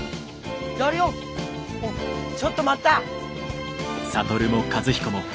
ちょっと待った！